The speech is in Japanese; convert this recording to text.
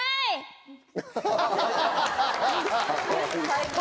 最高。